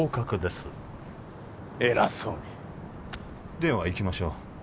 ではいきましょう